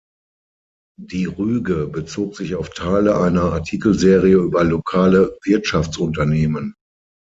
Die Rüge bezog sich auf Teile einer Artikelserie über lokale Wirtschaftsunternehmen.